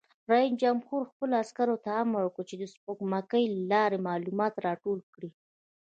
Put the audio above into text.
رئیس جمهور خپلو عسکرو ته امر وکړ؛ د سپوږمکۍ له لارې معلومات راټول کړئ!